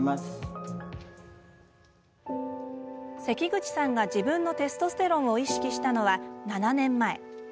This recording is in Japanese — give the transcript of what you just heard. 関口さんが自分のテストステロンを意識したのは７年前。